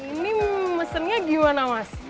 ini mesennya gimana mas